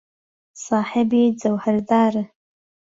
ساحێبی جەوهەردارن.